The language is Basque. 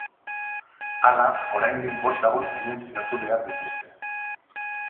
Hala, oraindik bost lagun identifikatu behar dituzte.